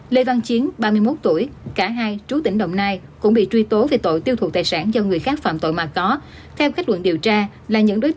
lê văn chiến ba mươi một tuổi cả hai chú tỉnh đồng nai cũng bị truy tố về tội tiêu thụ tài sản do người khác phạm tội mà có